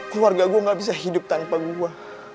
keluarga gue gak bisa hidup tanpa gue